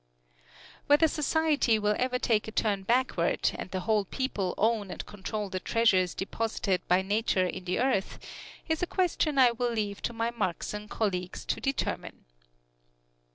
Whether society will ever take a turn backward, and the whole people own and control the treasures deposited by Nature in the earth, is a question I will leave to my Marxian colleagues to determine.